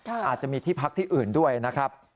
อาจจะมีที่พักที่อื่นด้วยนะครับ